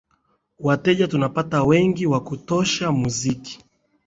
wateja tunapata wengi wa kutosha muziki